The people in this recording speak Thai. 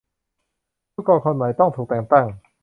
ผู้กองคนใหม่ต้องถูกแต่งตั้ง